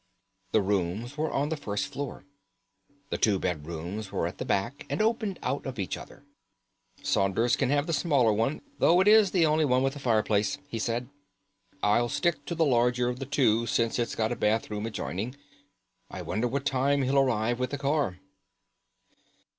The rooms were on the first floor. The two bedrooms were at the back, and opened out of each other. "Saunders can have the smaller one, though it is the only one with a fireplace," he said. "I'll stick to the larger of the two, since it's got a bathroom adjoining. I wonder what time he'll arrive with the car."